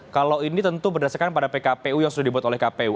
kalau ini tentu berdasarkan pada pkpu yang sudah dibuat oleh kpu